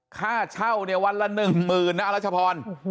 ค่าเช่าเนี่ยวันละ๑๐๐๐นะอรัชพร